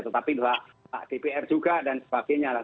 tetapi juga dpr juga dan sebagainya